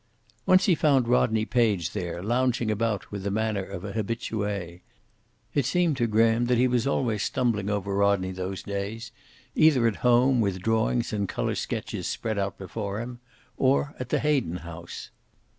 Once he found Rodney Page there, lounging about with the manner of a habitue. It seemed to Graham that he was always stumbling over Rodney those days, either at home, with drawings and color sketches spread out before him, or at the Hayden house.